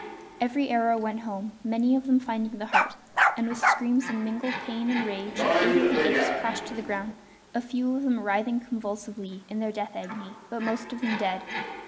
Every arrow went home, many of them finding the heart, and with screams of mingled pain and rage eight of the apes crashed to the ground, a few of them writhing convulsively in their death agony but most of them dead.